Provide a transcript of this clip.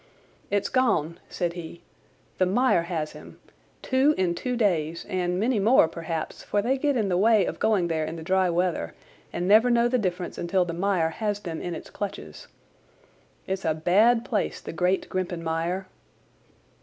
"It's gone!" said he. "The mire has him. Two in two days, and many more, perhaps, for they get in the way of going there in the dry weather and never know the difference until the mire has them in its clutches. It's a bad place, the great Grimpen Mire."